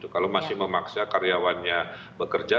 kalau masih memaksa karyawannya bekerja